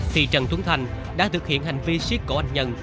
thì trần tuấn thành đã thực hiện hành vi siết cổ anh nhân